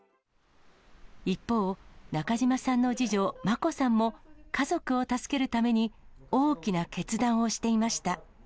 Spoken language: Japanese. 一方、中島さんの次女、茉子さんも、家族を助けるために大きな決断をしていました。